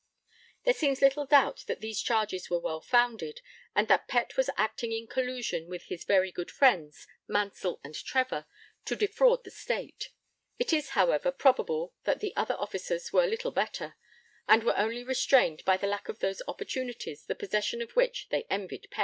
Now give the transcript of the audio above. There seems little doubt that these charges were well founded, and that Pett was acting in collusion with his 'very good friends' Mansell and Trevor to defraud the State. It is, however, probable that the other officers were little better, and were only restrained by the lack of those opportunities the possession of which they envied Pett.